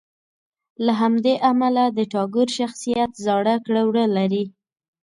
له همدې امله د ټاګور شخصیت زاړه کړه وړه لري.